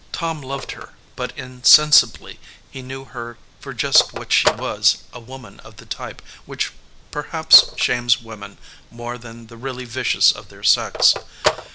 Tom loved her, but in sensibly he knew her for just what she was a woman of the type which perhaps shames women more than the really vicious of their sex.